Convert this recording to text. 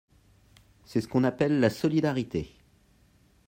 C’est ce qu’on appelle la solidarité.